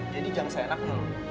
jadi jangan sayang aku dulu